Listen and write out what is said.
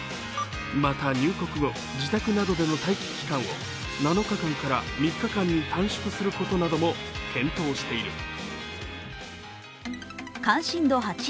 また入国後、自宅などでの待機期間を７日間から３日間に短縮することなどを検討している。